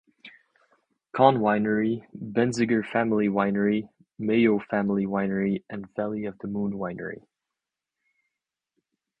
Cohn Winery, Benziger Family Winery, Mayo Family Winery, and Valley of the Moon Winery.